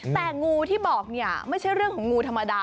แต่งูที่บอกเนี่ยไม่ใช่เรื่องของงูธรรมดา